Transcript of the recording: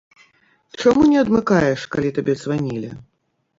Чаму не адмыкаеш, калі табе званілі?